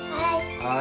はい。